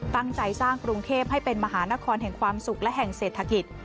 ตั้งใจสร้างกรุงเทพให้เป็นมหานครแห่งความสุขและแห่งเศรษฐกิจ